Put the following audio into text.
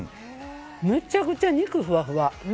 むちゃくちゃ肉ふわふわ。